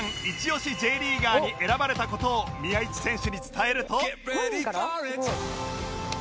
イチオシ Ｊ リーガーに選ばれた事を宮市選手に伝えると